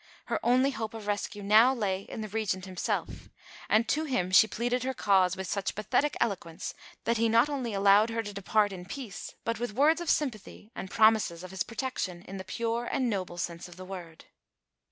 Her only hope of rescue now lay in the Regent himself; and to him she pleaded her cause with such pathetic eloquence that he not only allowed her to depart in peace, but with words of sympathy and promises of his protection in the pure and noble sense of the word.